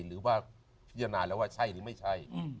หรือว่าพิจารณาแล้วว่าใช่หรือไม่ใช่